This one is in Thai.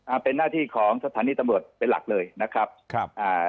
เป็นหน้าที่ของสถานีตำรวจเป็นหลักเลยนะครับครับอ่า